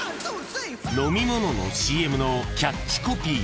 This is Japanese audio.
［飲み物のＣＭのキャッチコピー］